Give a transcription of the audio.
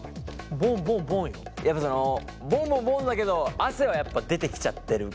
やっぱそのボンボンボンだけど汗はやっぱ出てきちゃってるから。